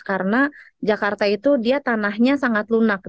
karena jakarta itu dia tanahnya sangat lunak